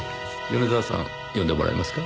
米沢さん呼んでもらえますか？